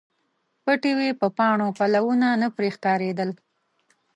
پټې وې په پاڼو، پلونه نه پرې ښکاریدل